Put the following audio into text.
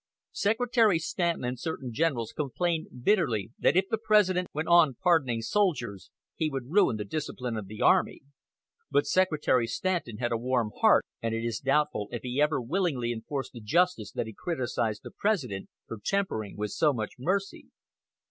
Secretary Stanton and certain generals complained bitterly that if the President went on pardoning soldiers he would ruin the discipline of the army; but Secretary Stanton had a warm heart, and it is doubtful if he ever willingly enforced the justice that he criticized the President for tempering with so much mercy.